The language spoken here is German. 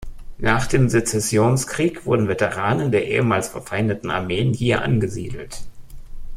Nach dem Sezessionskrieg wurden Veteranen der ehemals verfeindeten Armeen hier angesiedelt.